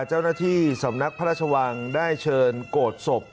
เจ้าหน้าที่สำนักพระราชวังได้เชิญโกรธศพ